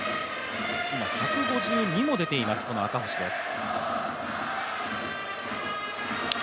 １５２も出ています、この赤星です。